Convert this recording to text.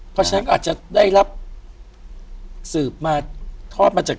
เพราะฉะนั้นอาจจะได้รับสืบมาทอดมาจาก